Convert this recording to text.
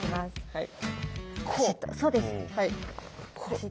はい。